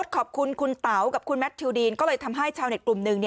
ขอบคุณคุณเต๋ากับคุณแมททิวดีนก็เลยทำให้ชาวเน็ตกลุ่มหนึ่ง